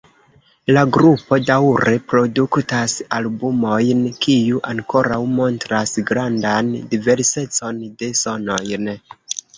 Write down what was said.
La grupo daŭre produktas albumojn kiu ankoraŭ montras grandan diversecon de sonojn.